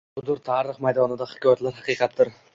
Budir tarix maydonida hikoyatlar haqiqatdir